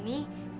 kita kan salah